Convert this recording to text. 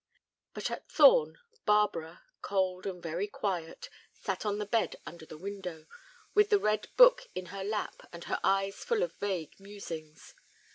But at Thorn, Barbara, cold and very quiet, sat on the bed under the window, with the red book in her lap and her eyes full of vague musings.